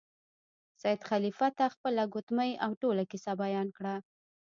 سید خلیفه ته خپله ګوتمۍ او ټوله کیسه بیان کړه.